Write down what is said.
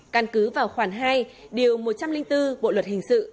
căn cứ vào khoản hai điều một trăm linh bốn bộ luật hình sự